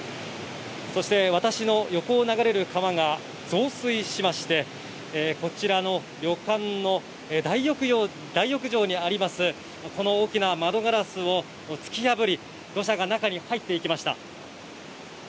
そして私の横を流れる川が増水しまして、こちらの旅館の大浴場にあります、この大きな窓ガラスを突き破り、土砂が中に入っていきました。